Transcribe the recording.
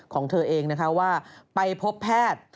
ของเธอเองนะคะว่าไปพบแพทย์